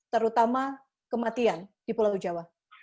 terutama kematian di pulau jawa